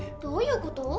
どういう事？